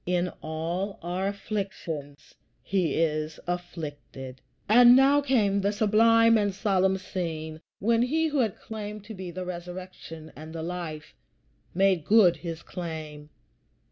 "In all our afflictions he is afflicted." And now came the sublime and solemn scene when he who had claimed to be the Resurrection and the Life made good his claim.